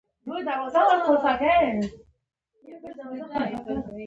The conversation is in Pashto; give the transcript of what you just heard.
بوتل یې پر ګیلاس را پورته کړ او ډک یې کړ.